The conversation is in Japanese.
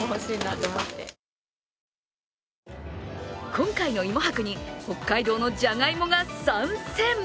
今回の芋博に北海道のじゃがいもが参戦。